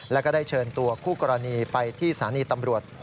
แล้วก็ได้เชิญตัวคู่กรณีไปที่สถานีตำรวจ